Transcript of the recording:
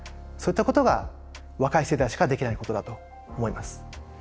そういったことが若い世代にしかできないことだと思います。